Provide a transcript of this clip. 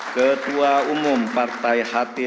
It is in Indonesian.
ketua umum partai hatin oranian